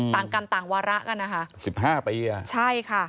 ต่างกันต่างวาระกันนะคะ๑๕ปีอ่ะใช่ค่ะ